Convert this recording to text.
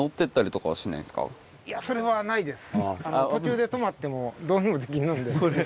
それはないです。